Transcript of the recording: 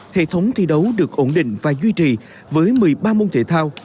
hệ thống thi đấu được ổn định và duy trì với một mươi ba môn thể thao